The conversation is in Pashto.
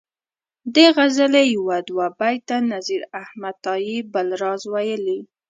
دې غزلي یو دوه بیته نذیر احمد تائي بل راز ویلي.